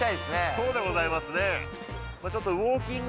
そうでございますね